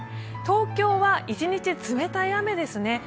東京は一日冷たい雨ですね。